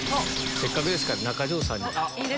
せっかくですから中条さんに。